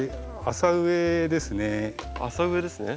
浅植えですね？